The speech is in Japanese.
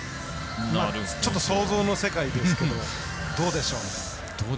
想像の世界ですけどどうでしょう。